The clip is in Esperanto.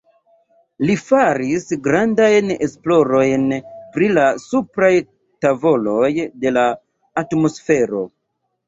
Li faris grandajn esplorojn pri la supraj tavoloj de la atmosfero.